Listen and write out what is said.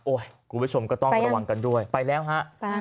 คุณผู้ชมก็ต้องระวังกันด้วยไปแล้วฮะ